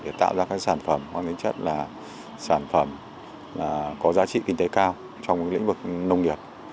để tạo ra các sản phẩm mang tính chất là sản phẩm có giá trị kinh tế cao trong lĩnh vực nông nghiệp